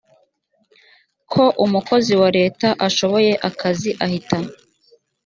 ko umukozi wa leta ashoboye akazi ahita